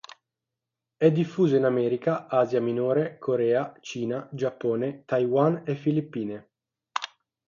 È diffuso in Africa, Asia minore, Corea, Cina, Giappone, Taiwan e Filippine.